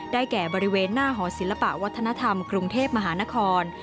แก่บริเวณหน้าหอศิลปะวัฒนธรรมกรุงเทพมหานคร